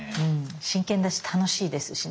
真剣だし楽しいですしね。